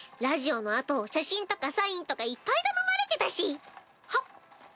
ラジオのあと写真とかサインとかいっぱい頼まれてたし。はむっ。